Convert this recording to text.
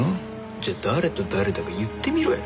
じゃあ誰と誰だか言ってみろよ。